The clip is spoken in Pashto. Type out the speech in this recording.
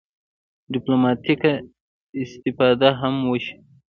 ډیپلوماټیکه استفاده هم وشي.